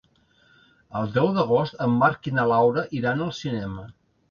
El deu d'agost en Marc i na Laura iran al cinema.